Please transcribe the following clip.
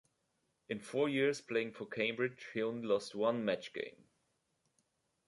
In four years playing for Cambridge he only lost one match game.